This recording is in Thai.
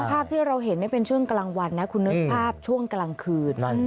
ภาพที่เราเห็นเป็นช่วงกลางวันนะคุณนึกภาพช่วงกลางคืน